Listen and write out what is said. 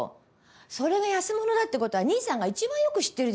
それが安物だって事は兄さんが一番よく知ってるでしょう。